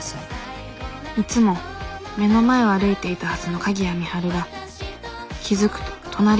いつも目の前を歩いていたはずの鍵谷美晴が気付くと隣にいたということ